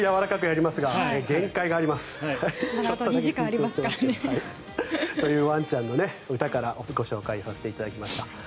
あと２時間ありますからね。というワンちゃんの歌からお伝えさせていただきました。